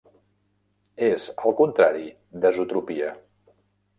És el contrari d'esotropia.